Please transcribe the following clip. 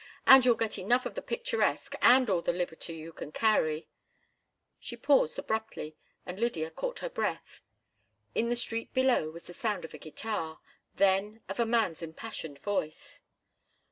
And you'll get enough of the picturesque and all the liberty you can carry—" She paused abruptly and Lydia caught her breath. In the street below was the sound of a guitar, then of a man's impassioned voice.